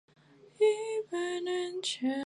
将成为钱江新城的地标性建筑。